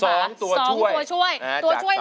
ร้องได้ให้ร้อง